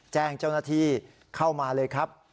แจ้งเจ้าหน้าที่เข้ามาเลยครับ